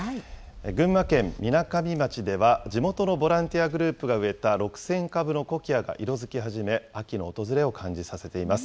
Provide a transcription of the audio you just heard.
群馬県みなかみ町では、地元のボランティアグループが植えた６０００株のコキアが色づき始め、秋の訪れを感じさせています。